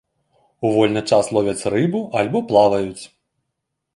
У вольны час ловяць рыбу альбо плаваюць.